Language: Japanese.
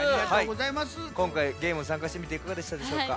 こんかいゲームにさんかしてみていかがでしたでしょうか？